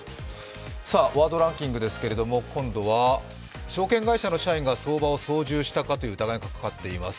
ワードランキングですけれども、証券会社の社員が相場を操縦したかという疑いがあります。